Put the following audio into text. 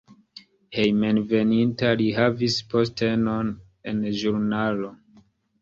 Hejmenveninta li havis postenon en ĵurnalo.